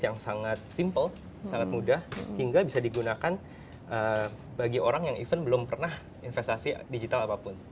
yang sangat simple sangat mudah hingga bisa digunakan bagi orang yang even belum pernah investasi digital apapun